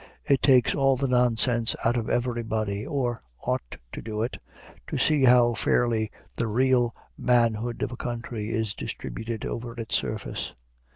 It takes all the nonsense out of everybody, or ought to do it, to see how fairly the real manhood of a country is distributed over its surface.